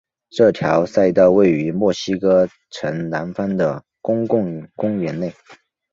这条赛道位于墨西哥城南方的的公共公园内。